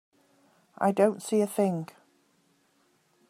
I don't see a thing.